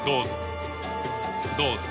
どうぞ。